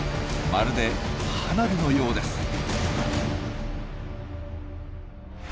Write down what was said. まるで花火のようです。